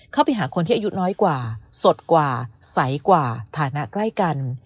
เข้าไปหาคนที่อายุน้อยกว่าสดกว่าใสกว่าฐานะใกล้กัน